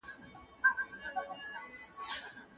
د نکاح د دوام لپاره ښه ژوند مهم دی.